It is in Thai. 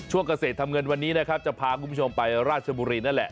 เกษตรทำเงินวันนี้นะครับจะพาคุณผู้ชมไปราชบุรีนั่นแหละ